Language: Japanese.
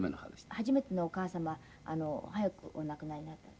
初めてのお母様は早くお亡くなりになったって。